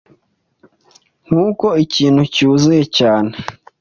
Nkuko ikintu cyuzuye cyane